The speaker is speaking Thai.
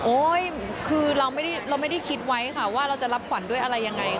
คือเราไม่ได้คิดไว้ค่ะว่าเราจะรับขวัญด้วยอะไรยังไง